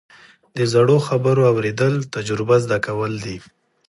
د زړو خبرو اورېدل، تجربه زده کول دي.